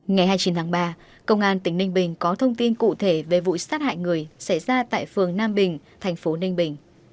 ngày hai mươi chín tháng ba công an tỉnh ninh bình có thông tin cụ thể về vụ sát hại người xảy ra tại phường nam bình thành phố ninh bình